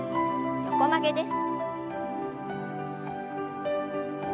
横曲げです。